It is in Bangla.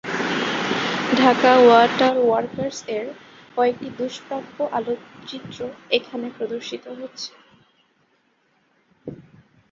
ঢাকা ওয়াটার ওয়ার্কস-এর কয়েকটি দুষ্প্রাপ্য আলোকচিত্র এখানে প্রদর্শিত হচ্ছে।